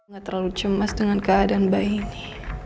gak terlalu cemas dengan keadaan bayi ini